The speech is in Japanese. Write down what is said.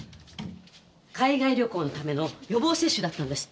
海外旅行のための予防接種だったんですって。